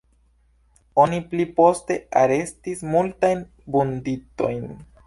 Oni pli poste arestis multajn vunditojn.